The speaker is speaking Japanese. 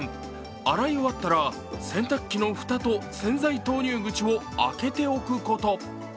洗い終わったら洗濯機の蓋と洗剤投入口を開けておくこと。